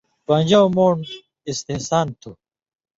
پَن٘ژؤں مُون٘ڈ اِستحسان تُھو